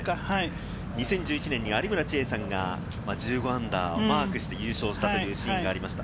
２０１１年に有村智恵さんが−１５をマークして優勝したというシーンがありました。